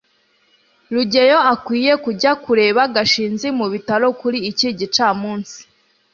rugeyo akwiye kujya kureba gashinzi mubitaro kuri iki gicamunsi